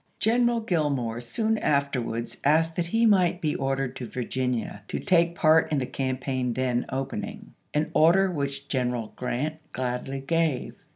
General Grill more soon afterwards asked that he might be ordered to Virginia to take part in the campaign then opening ; an order which Greneral G rant gladly gave.